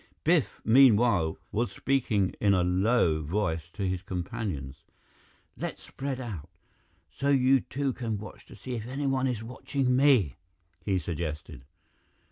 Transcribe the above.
Biff, meanwhile, was speaking in a low voice to his companions. "Let's spread out, so you two can watch to see if anyone is watching me," he suggested.